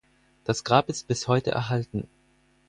Das Grab ist bis heute erhalten.